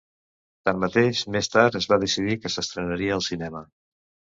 Tanmateix, més tard es va decidir que s'estrenaria al cinema.